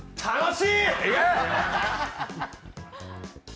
楽しい！